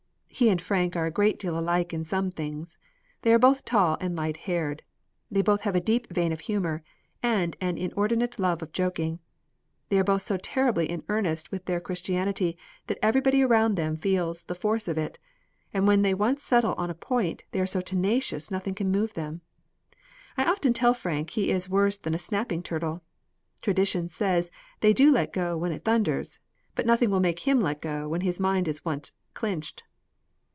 He and Frank are a great deal alike in some things. They are both tall and light haired. They both have a deep vein of humor and an inordinate love of joking. They are both so terribly in earnest with their Christianity that everybody around them feels the force of it; and when they once settle on a point, they are so tenacious nothing can move them. I often tell Frank he is worse than a snapping turtle. Tradition says they do let go when it thunders, but nothing will make him let go when his mind is once clinched."